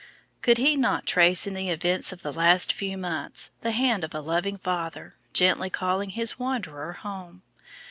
Could he not trace in the events of the last few months the hand of a loving Father gently calling His wanderer home?